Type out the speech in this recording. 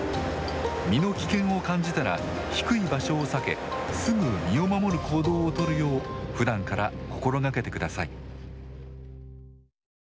身の危険を感じたら低い場所を避けすぐ身を守る行動を取るようふだんから心がけてください。